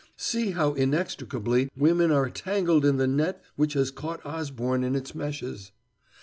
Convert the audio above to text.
See how inextricably women are tangled in the net which has caught Osborne in its meshes.